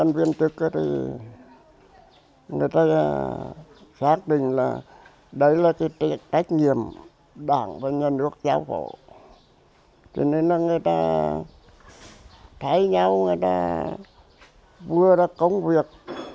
nên là người ta thấy nhau người ta vừa đã công việc